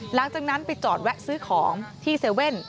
หลังจากนั้นไปจอดแวะซื้อของที่๗๑๑